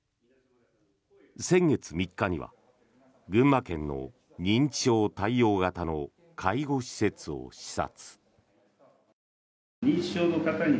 先月３日には群馬県の認知症対応型の介護施設を視察。